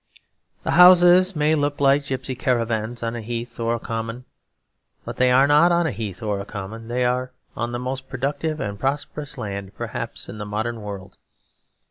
The houses may look like gipsy caravans on a heath or common; but they are not on a heath or common. They are on the most productive and prosperous land, perhaps, in the modern world.